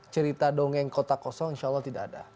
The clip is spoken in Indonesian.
cerita dongeng kotak kosong insya allah tidak ada